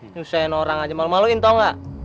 nyusahin orang aja malu maluin tau gak